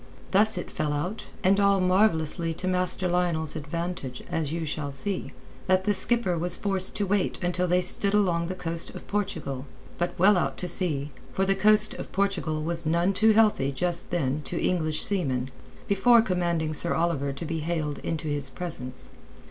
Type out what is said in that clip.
Thus it fell out—and all marvellously to Master Lionel's advantage, as you shall see—that the skipper was forced to wait until they stood along the coast of Portugal—but well out to sea, for the coast of Portugal was none too healthy just then to English seamen—before commanding Sir Oliver to be haled into his presence.